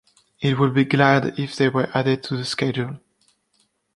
I would be glad if they were added to the schedule.